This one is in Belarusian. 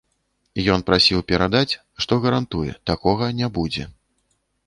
Ён прасіў перадаць, што гарантуе, такога не будзе.